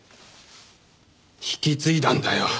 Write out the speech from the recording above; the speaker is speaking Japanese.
引き継いだんだよ。